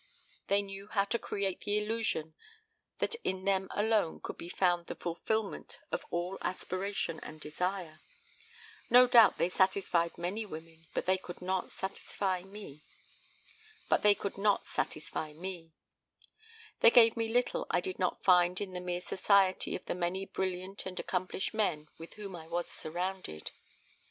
They knew how to create the illusion that in them alone could be found the fulfillment of all aspiration and desire. No doubt they satisfied many women, but they could not satisfy me. They gave me little I did not find in the mere society of the many brilliant and accomplished men with whom I was surrounded.